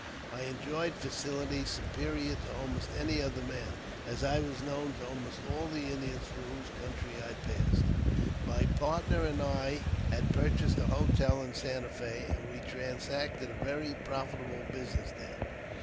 I enjoyed facilities superior to almost any other man, as I was known to almost all the Indians through whose country I passed. My partner and I had purchased a hotel in Santa Fe, and we transacted a very profitable business there.